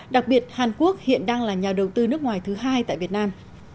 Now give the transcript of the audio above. đặc biệt hàn quốc hiện đang là nhà đầu tư nước ngoài thứ hai tại việt nam